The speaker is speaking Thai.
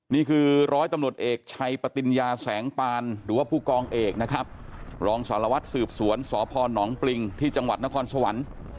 นี่คือร้อยตำรวจเอกชัยปติญญาแสงปานหรือว่าผู้กองเอกนะครับรองสารวัตรสืบสวนสพนปริงที่จังหวัดนครสวรรค์